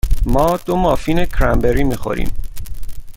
ما دو مافین کرنبری می خوریم.